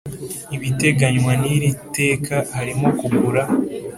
Ibiteganywa n iri teka harimo kugura